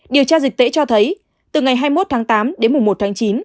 điều tra dịch tễ cho thấy từ ngày hai mươi một tháng tám đến mùng một tháng chín